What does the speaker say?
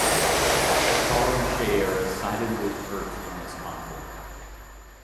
Katar and Shayera sided with Earth in this conflict.